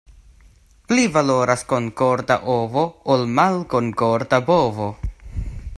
Pli valoras konkorda ovo, ol malkonkorda bovo.